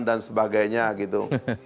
dan sebagainya gitu